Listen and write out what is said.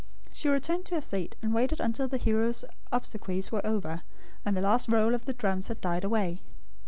She returned to her seat and waited until the hero's obsequies were over, and the last roll of the drums had died away.